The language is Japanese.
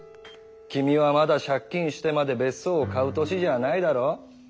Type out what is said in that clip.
君はまだ借金してまで別荘を買う年じゃあないだろう。